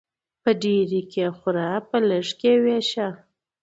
په ډيري کې خوره ، په لږي کې ويشه.